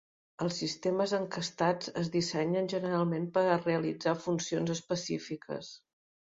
Els sistemes encastats es dissenyen generalment per a realitzar funcions específiques.